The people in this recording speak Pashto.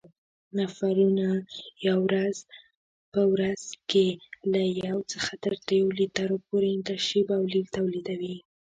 نفرونونه په ورځ کې له یو څخه تر دریو لیترو پورې تشې بولې تولیدوي.